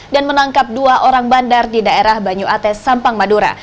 dan menangkap dua orang bandar di daerah banyuates sampang madura